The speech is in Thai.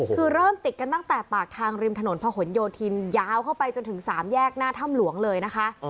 คือเริ่มติดกันตั้งแต่ปากทางริมถนนพะหนโยธินยาวเข้าไปจนถึง๓แยกหน้าถ้ำหลวงเลยนะคะ